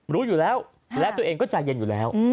รู้อยู่แล้วและตัวเองก็ใจเย็นอยู่แล้ว